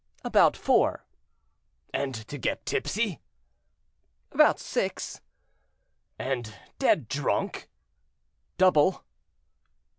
"About four." "And to get tipsy?" "About six." "And dead drunk?" "Double."